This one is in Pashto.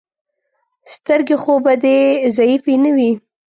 سترګې خو به دې ضعیفې نه وي.